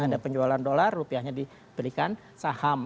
ada penjualan dolar rupiahnya diberikan saham